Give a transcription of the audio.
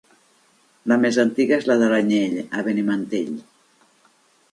La més antiga és la de l'Anyell, a Benimantell.